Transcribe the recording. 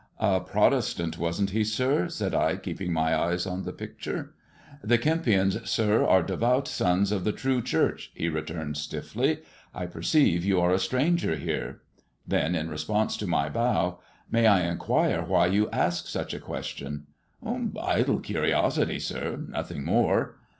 " A Protestant, wasn't he, sir 1 " said I, keeping my eyes on the pictura " The Kempions, sir, are devout spns of the true Church," he returned stiffly. " I perceive you are a stranger here." Then, in response to my bow, " May I inquire why you ask such a question ?"" Idle curiosity, sir, nothing more."